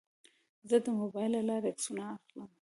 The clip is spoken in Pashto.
زه د موبایل له لارې عکسونه اخلم.